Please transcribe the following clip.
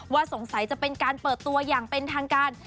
สงสัยจะเป็นการเปิดตัวอย่างเป็นทางการ